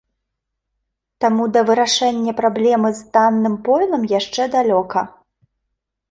Таму да вырашэння праблемы з танным пойлам яшчэ далёка.